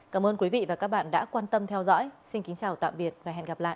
cảm ơn quý vị và các bạn đã quan tâm theo dõi xin kính chào tạm biệt và hẹn gặp lại